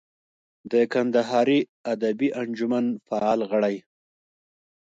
د کندهاري ادبي انجمن فعال غړی.